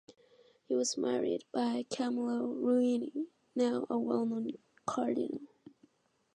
He was married by Camillo Ruini, now a well-known cardinal.